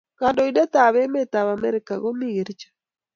kandoindet ab emet ab amerika ko mi kericho